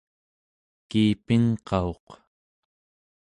kiipingqauq